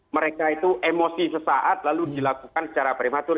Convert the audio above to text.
mereka itu emosi sesaat lalu dilakukan secara prematur